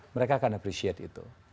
mereka akan appreciate itu